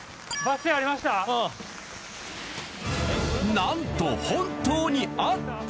なんと本当にあった！